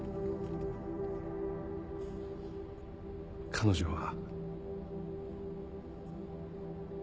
彼女は。